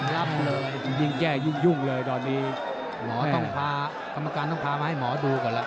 ยับเลยยิ่งแก้ยุ่งยุ่งเลยตอนนี้หมอต้องพาคำละการต้องพามาให้หมอดูก่อนล่ะ